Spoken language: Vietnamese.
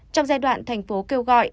trong giai đoạn thành phố kêu gọi